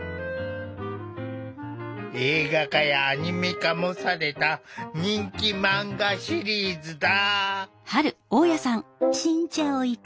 映画化やアニメ化もされた人気マンガシリーズだ。